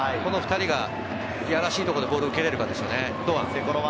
この２人がいやらしいところでボールを蹴れるかですね。